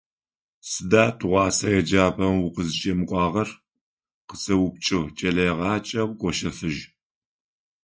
«Сыда тыгъуасэ еджапӀэм укъызкӀэмыкӀуагъэр?», -къысэупчӀыгъ кӀэлэегъаджэу Гощэфыжь.